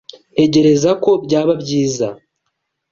Ntekereza ko byaba byiza